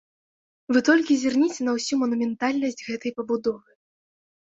Вы толькі зірніце на ўсю манументальнасць гэтай пабудовы.